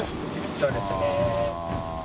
そうですね。